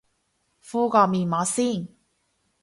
敷個面膜先